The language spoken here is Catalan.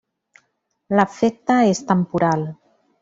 L'efecte és temporal.